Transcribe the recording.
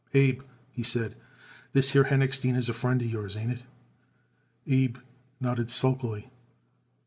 "Abe," he said, "this here Henochstein is a friend of yours; ain't it?" Abe nodded sulkily.